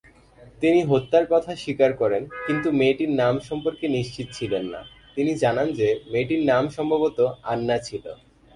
তিনি হত্যার কথা স্বীকার করেন কিন্তু মেয়েটির নাম সম্পর্কে নিশ্চিত ছিলেন না, তিনি জানান যে মেয়েটির নাম সম্ভবত "আন্না" ছিল।